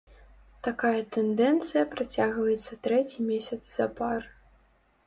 Такая тэндэнцыя працягваецца трэці месяц запар.